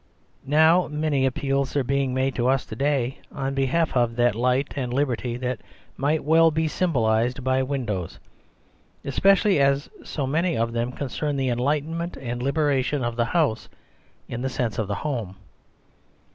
Now many appeals are being made to us to day on behalf of that light and liberty that might II 12 The Superstition of Di well be Sjrmbolised by windows; especially as so many of them concern the enlightenment and liberation of the house, in the sense of the home.